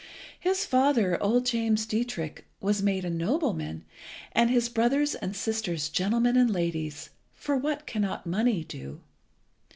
His father, old James Dietrich, was made a nobleman, and his brothers and sisters gentlemen and ladies for what cannot money do?